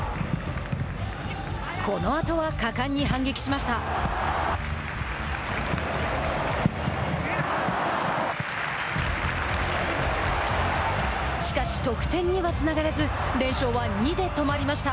このあとは果敢に反撃しました。